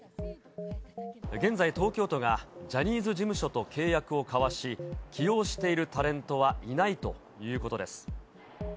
現在、東京都がジャニーズ事務所と契約を交わし、起用しているタレントはいないということです。